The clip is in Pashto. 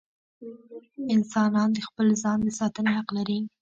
انسانان د خپل ځان د ساتنې حق لري.